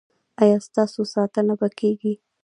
ایا ستاسو ساتنه به کیږي؟